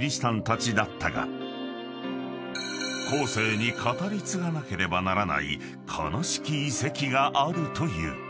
［後世に語り継がなければならない悲しき遺跡があるという］